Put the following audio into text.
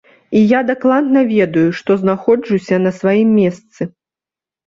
І я дакладна ведаю, што знаходжуся на сваім месцы.